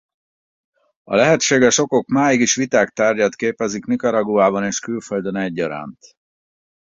A lehetséges okok máig is viták tárgyát képezik Nicaraguában és külföldön egyaránt.